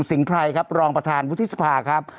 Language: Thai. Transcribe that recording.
สิงไพรครับรองประธานวุฒิสภาครับ